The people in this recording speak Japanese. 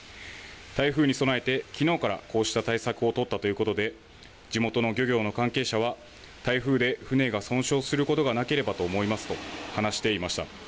台風に備えて、きのうからこうした対策を取ったということで、地元の漁業の関係者は、台風で船が損傷することがなければと思いますと話していました。